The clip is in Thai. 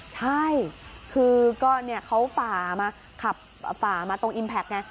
ใช่คือก็เขาฝ่ามาขับฝ่ามาตรงอิมแพคไง